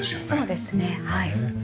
そうですねはい。